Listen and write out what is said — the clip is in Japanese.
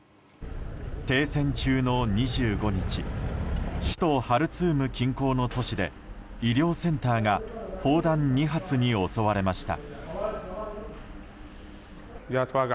停戦中の２５日首都ハルツーム近郊の都市で医療センターが砲弾２発に襲われました。